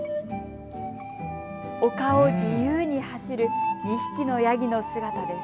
丘を自由に走る２匹のヤギの姿です。